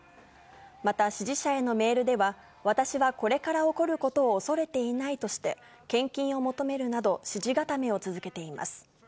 また、支持者へのメールでは、私はこれから起こることを恐れていないとして、献金を求めるなど、支持固めを続けています。